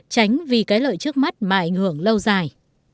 tránh vì cái lợi trước mắt mà ảnh hưởng lâu dài